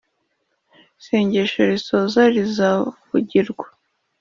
isengesho risoza rizavugirwa